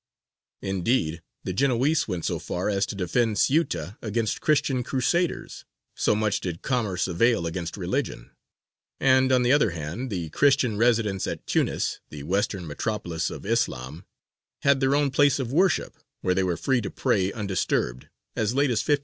Indeed, the Genoese went so far as to defend Ceuta against Christian crusaders, so much did commerce avail against religion; and, on the other hand, the Christian residents at Tunis, the western metropolis of Islam, had their own place of worship, where they were free to pray undisturbed, as late as 1530.